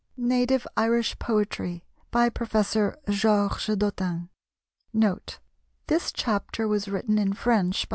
NATIVE IRISH POETRY By PROFESSOR GEORGES DOTTIN. [Note. This chapter was written in French by M.